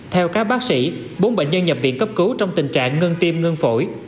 theo các bác sĩ bốn bệnh nhân nhập viện cấp cứu trong tình trạng ngân tim ngân phổi